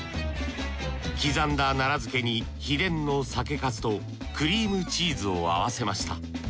刻んだ奈良漬けに秘伝の酒粕とクリームチーズを合わせました。